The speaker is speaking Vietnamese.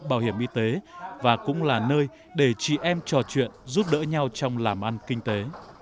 bảo hiểm y tế và cũng là nơi để chị em trò chuyện giúp đỡ nhau trong làm ăn kinh tế